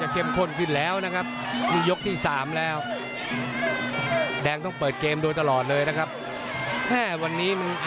เกิดขึ้น